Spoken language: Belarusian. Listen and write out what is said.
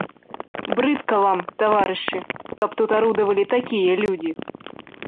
Брыдка вам, таварышы, каб тут арудавалі такія людзі.